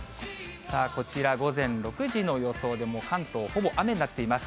こちら午前６時の予想で、関東、ほぼ雨になっています。